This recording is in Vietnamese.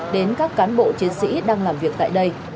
đến các cán bộ chiến sĩ đang làm việc tại đây